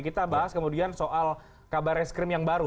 kita bahas kemudian soal kabar reskrim yang baru